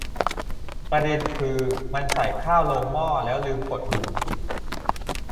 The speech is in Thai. ประเด็นคือมันใส่ข้าวลงหม้อแล้วลืมกดหุง